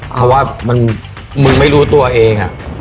เพราะว่ามึงไม่รู้ตัวเอง